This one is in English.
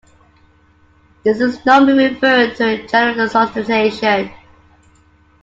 This is normally referred to as general solicitation.